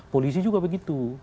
polisi juga begitu